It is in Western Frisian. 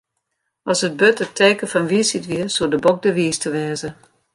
As it burd it teken fan wysheid wie, soe de bok de wiiste wêze.